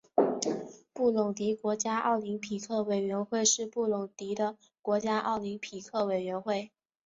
布隆迪国家奥林匹克委员会是布隆迪的国家奥林匹克委员会。